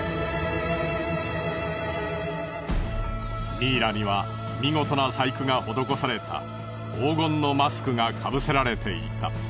ミイラには見事な細工が施された黄金のマスクがかぶせられていた。